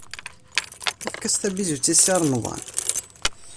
Efk-as tabizut i Si Remḍan!